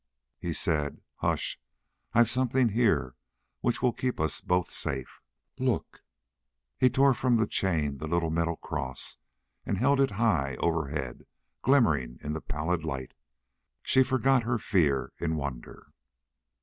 He said: "Hush! I've something here which will keep us both safe. Look!" He tore from the chain the little metal cross, and held it high overhead, glimmering in the pallid light. She forgot her fear in wonder.